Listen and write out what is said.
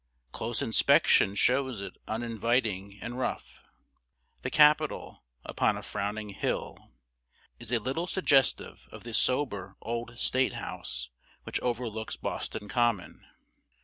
Close inspection shows it uninviting and rough. The Capitol, upon a frowning hill, is a little suggestive of the sober old State House which overlooks Boston Common.